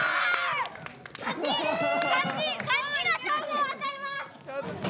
勝ちの称号を与えます。